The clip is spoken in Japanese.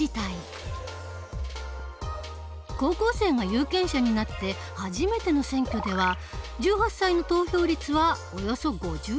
高校生が有権者になって初めての選挙では１８歳の投票率はおよそ５１％。